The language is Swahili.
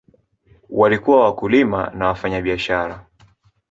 Walikuwa wakulima na wafanyabiashara.